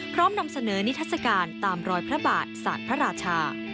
นำเสนอนิทัศกาลตามรอยพระบาทศาสตร์พระราชา